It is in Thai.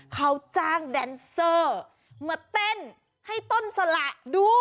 เขาจ้างแดนเซอร์มาเต้นให้ต้นสละดู